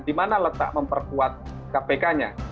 di mana letak memperkuat kpk nya